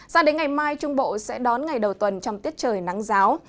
sao đến ngày mai trung bộ sẽ đón ngày đầu tuần trong tiết trời nắng giáo